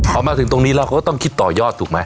พอมาถึงตรงนี้แล้วเขาก็ต้องคิดต่อยอดถูกไหม